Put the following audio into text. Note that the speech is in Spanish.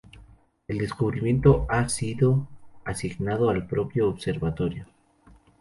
El descubrimiento ha sido asignado al propio Observatorio.